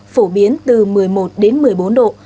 phổ biến từ một mươi một đến một mươi bốn độ